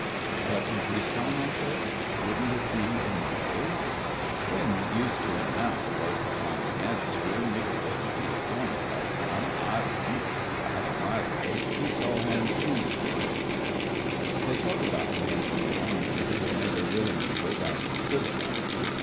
"But in peace time?" I said. "Wouldn't it be in the way.'^" "We'm used to 'em now," was the smiling answer. "Niver go to sea again without a gun —/ wouldn't — if I had my way. It keeps all hands pleased like." They talk about men in the Army who will never willingly go back to civil life.